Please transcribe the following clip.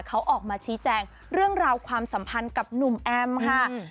เขาออกมาชี้แจงเรื่องราวความสัมพันธ์กับหนุ่มแอมค่ะ